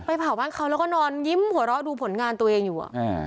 เผาบ้านเขาแล้วก็นอนยิ้มหัวเราะดูผลงานตัวเองอยู่